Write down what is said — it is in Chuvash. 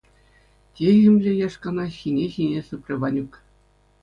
Техӗмлӗ яшкана ҫине-ҫине сыпрӗ Ванюк.